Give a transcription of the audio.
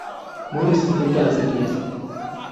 Muy resistente a las sequías.